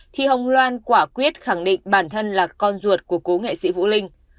thì hồng loan quả quyết khẳng định bản thân là con ruột của cố nghệ sĩ vũ linh